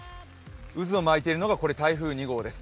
渦を巻いているのが台風２号です。